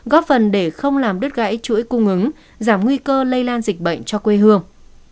góp phần để không làm đứt gãy chuỗi cung ứng giảm nguy cơ lây lan dịch bệnh cho quê hương